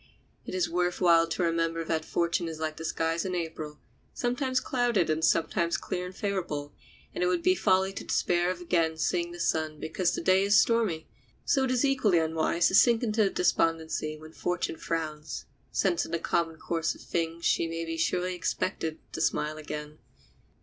It is worth while to remember that fortune is like the skies in April, sometimes clouded and sometimes clear and favorable, and it would be folly to despair of again seeing the sun because to day is stormy. So it is equally unwise to sink into despondency when fortune frowns, since in the common course of things she may be surely expected to smile again.